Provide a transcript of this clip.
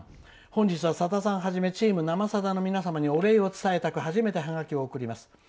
「本日はさださんはじめチーム「生さだ」の皆さんに御礼を伝えたく初めてハガキを送ります。